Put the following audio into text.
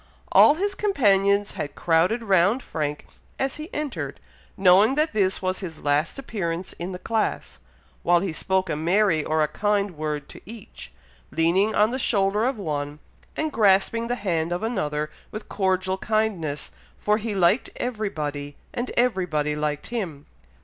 All his companions had crowded round Frank as he entered, knowing that this was his last appearance in the class; while he spoke a merry or a kind word to each, leaning on the shoulder of one, and grasping the hand of another with cordial kindness, for he liked everybody, and everybody liked him.